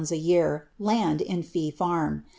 a year, land in fee turn.